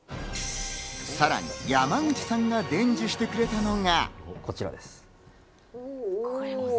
さらに山口さんが伝授してくれたのが。